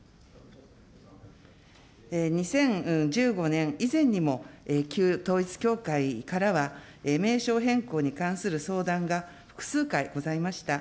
２０１５年以前にも、旧統一教会からは、名称変更に関する相談が複数回ございました。